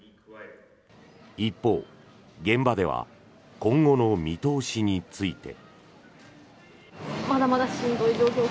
一方、現場では今後の見通しについて。